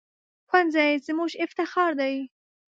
ښوونځی زموږ افتخار دی